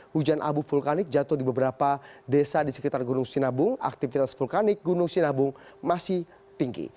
hujan abu vulkanik jatuh di beberapa desa di sekitar gunung sinabung aktivitas vulkanik gunung sinabung masih tinggi